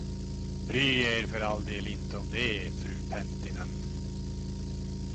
Bry er för all del inte om det, fru Penttinen.